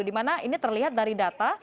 dimana ini terlihat dari data